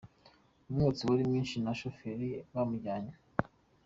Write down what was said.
Umwotsi wari mwishi na shoferi bamujyanye.